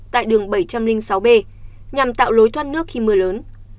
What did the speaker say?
tại đường bảy trăm linh sáu b nhằm tạo lối thoát nước khi mưa lớn